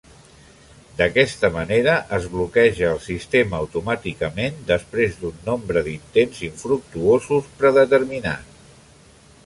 D'aquesta manera es bloqueja el sistema automàticament després d'un nombre d'intents infructuosos predeterminat.